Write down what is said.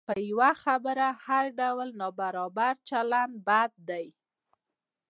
په یوه خبره هر ډول نابرابر چلند بد دی.